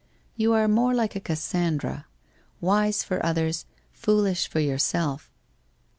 You are more like a Cassandra, wise for others, foolish for yourself.